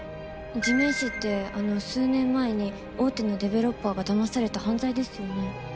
地面師ってあの数年前に大手のデベロッパーがだまされた犯罪ですよね？